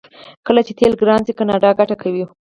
کله چې تیل ګران شي کاناډا ګټه کوي.